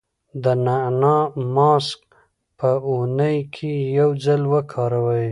د نعناع ماسک په اونۍ کې یو ځل وکاروئ.